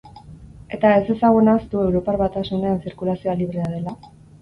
Eta ez dezagun ahaztu Europar Batasunean zirkulazioa librea dela?